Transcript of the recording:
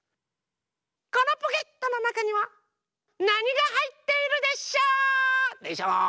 このポケットのなかにはなにがはいっているでショー？でショー？